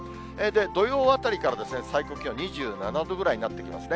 土曜あたりから、最高気温２７度ぐらいになってきますね。